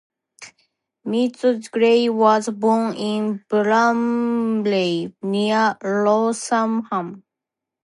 Midgley was born in Bramley, near Rotherham.